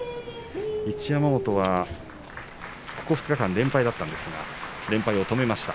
一山本はここ２日間連敗でしたが連敗を止めました。